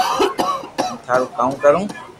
ھون ٿاري ڪاو ڪرو